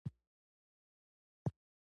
جانداد د نیت له مخې لوړ مقام لري.